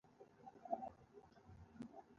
پوښتنه مې ځنې وکړل: باینسېزا دې خوښه ده؟